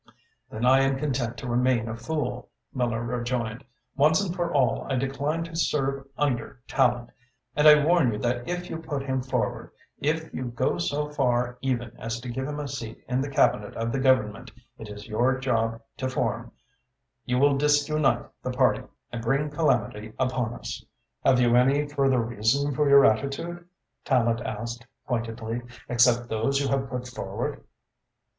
"Then I am content to remain a fool," Miller rejoined. "Once and for all, I decline to serve under Tallente, and I warn you that if you put him forward, if you go so far, even, as to give him a seat in the Cabinet of the Government it is your job to form, you will disunite the party and bring calamity upon us." "Have you any further reason for your attitude," Tallente asked pointedly, "except those you have put forward?"